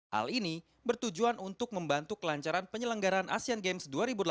hal ini bertujuan untuk membantu kelancaran penyelenggaran asean games dua ribu delapan belas